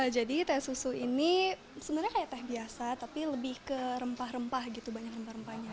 jadi teh susu ini sebenarnya kayak teh biasa tapi lebih ke rempah rempah gitu banyak rempah rempahnya